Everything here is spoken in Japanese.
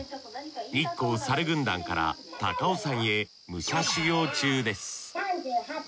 日光さる軍団から高尾山へ武者修行中です